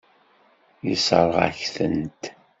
Yessṛeɣ-ak-tent.